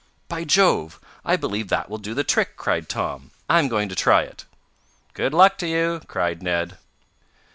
"By Jove! I believe that will do the trick!" cried Tom. "I'm going to try it." "Good luck to you!" cried Ned.